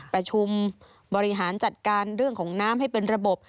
ประชุมบริหารจัดการเรื่องของน้ำให้เป็นระบบ